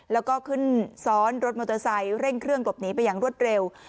แล้วก็ขึ้นซ้อนรถมอเตอร์ไซค์เร่งเครื่องหลบหนีไปอย่างรวดเร็ว